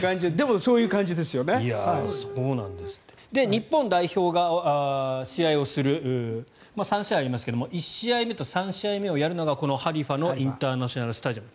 日本代表が試合をする３試合ありますが１試合目と３試合目をやるのがこのハリファのインターナショナルスタジアム。